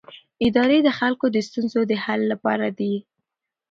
ادارې د خلکو د ستونزو د حل لپاره دي